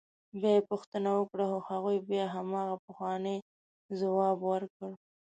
بیا یې پوښتنه وکړه خو هغوی بیا همغه پخوانی ځواب ورکړ.